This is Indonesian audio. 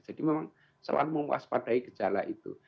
jadi memang selalu memuas padai gejala itu